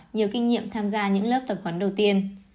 nhiều kinh nghiệm tham gia những lớp tập huấn đầu tiên